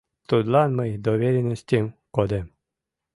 Тудлан мый доверенностьым кодем».